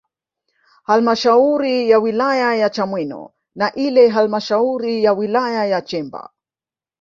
Halmashauri ya Wilaya ya Chamwino na ile halmashauri ya wilaya ya Chemba